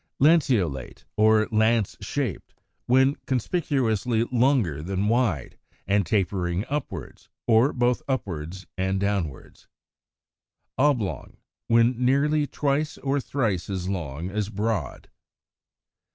Lanceolate, or Lance shaped, when conspicuously longer than wide, and tapering upwards (Fig. 116), or both upwards and downwards. Oblong (Fig. 117), when nearly twice or thrice as long as broad.